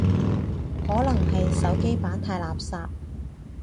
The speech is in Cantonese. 可能係手機版太垃圾